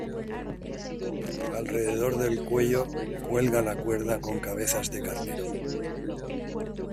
Alrededor del cuello cuelga la cuerda con cabezas de carnero.